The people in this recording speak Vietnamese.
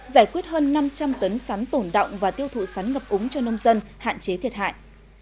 giải quyết hơn năm trăm linh tấn sắn tổn động và tiêu thụ sắn ngập úng cho nông dân hạn chế thiệt hại